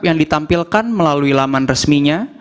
yang ditampilkan melalui laman resminya